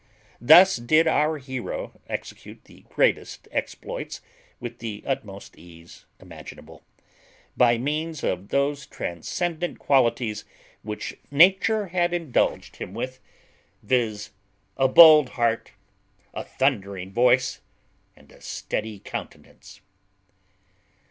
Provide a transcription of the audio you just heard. Thus did our hero execute the greatest exploits with the utmost ease imaginable, by means of those transcendent qualities which nature had indulged him with, viz., a bold heart, a thundering voice, and a steady countenance.